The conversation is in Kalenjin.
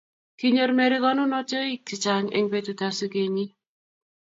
Kinyor Mary konunotoik chechang eng betutap sigenyi